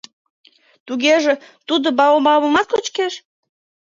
— Тугеже, тудо баобабымат кочкеш?